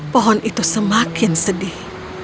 pohon itu semakin sedih